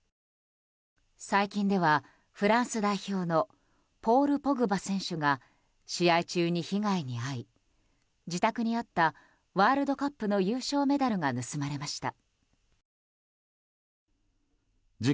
最近ではフランス代表のポール・ポグバ選手が試合中に被害に遭い自宅にあったワールドカップの優勝メダルが盗まれました。